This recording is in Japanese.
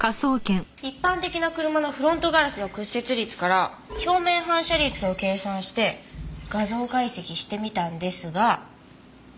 一般的な車のフロントガラスの屈折率から表面反射率を計算して画像解析してみたんですが。